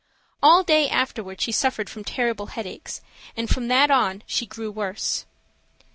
All day afterward she suffered from terrible headache, and from that on she grew worse.